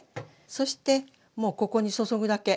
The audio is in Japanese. そしてもうここに注ぐだけ。